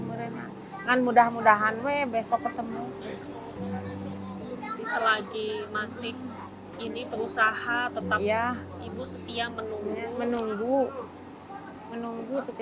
ibu juga ingin menunggu ketika acara untuk menjual kereta ini menemanjang sepuluh munyai